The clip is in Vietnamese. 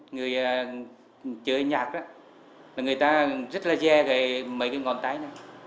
người chơi nhạc người ta rất là dè mấy cái ngón tay này